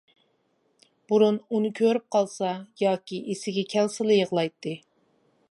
بۇرۇن ئۇنى كۆرۈپ قالسا ياكى ئېسىگە كەلسىلا يىغلايتتى.